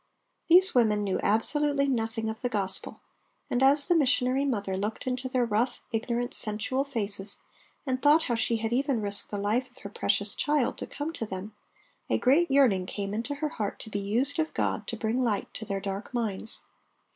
These women knew absolutely nothing of the Gospel, and as the missionary mother looked into their rough, ignorant, sensual faces and thought how she had even risked the life of her precious child to come to them, a great yearning came into her heart to be used of God to bring light to their dark minds.